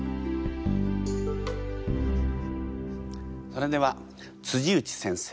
それでは内先生